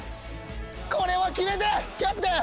これは決めてキャプテン！